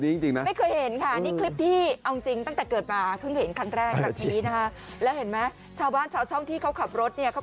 ไม่เคยเห็นค่ะนี้คลิปที่แล้วที่ให้ช่องที่ออกในที่ได้